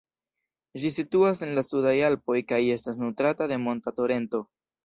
Ĝi situas en la Sudaj Alpoj kaj estas nutrata de monta torento.